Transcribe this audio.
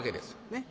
ねっ。